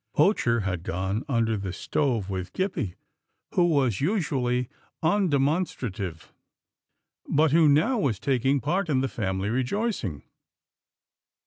Poacher had gone under the stove with Gippie who was usually undemonstrative, but who now was taking part in the family rejoicing.